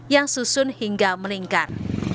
yang susun hingga meningkat